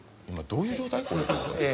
今どういう状態？